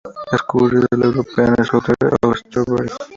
Schuster del European Southern Observatory.